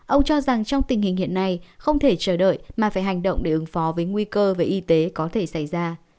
ông cho rằng trong tình hình hiện nay không thể chờ đợi mà phải hành động để ứng phó với nguy cơ về y tế có thể xảy ra